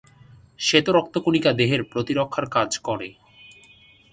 শ্বেত রক্তকণিকা দেহের প্রতিরক্ষার কাজ করে।